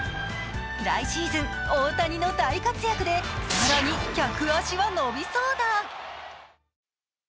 来シーズン、大谷の大活躍で更に客足は伸びそうだ。